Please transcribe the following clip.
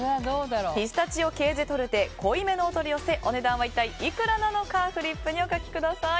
ピスタチオ・ケーゼ・トルテ濃いめのお取り寄せお値段は一体いくらなのかフリップにお書きください。